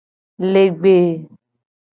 Legbee.